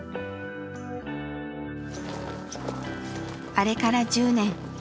あれから１０年。